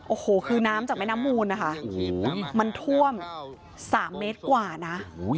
โอ้โหคือน้ำจากแม่น้ำมูลนะคะมันท่วม๓เมตรกว่านะ